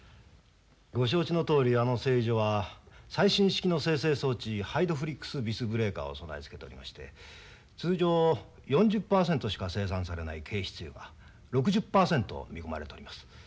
ご承知のとおりあの製油所は最新式の精製装置ハイドフリックス・ビス・ブレーカーを備え付けておりまして通常４０％しか生産されない軽質油が６０％見込まれております。